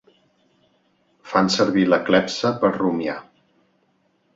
Fan servir la clepsa per rumiar.